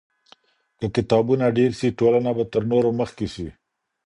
که کتابونه ډېر سي ټولنه به تر نورو مخکې سي.